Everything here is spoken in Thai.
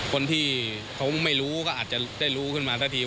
คนที่เขาไม่รู้ก็อาจจะได้รู้ขึ้นมาสักที